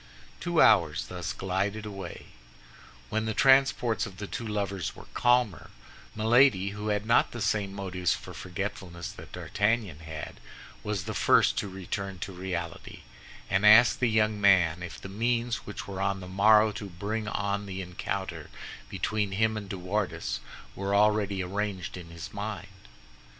Two hours thus glided away. When the transports of the two lovers were calmer, Milady, who had not the same motives for forgetfulness that D'Artagnan had, was the first to return to reality, and asked the young man if the means which were on the morrow to bring on the encounter between him and De Wardes were already arranged in his mind.